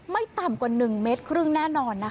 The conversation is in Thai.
ไม่ต่ำกว่า๑๕เมตรแน่นอนนะคะ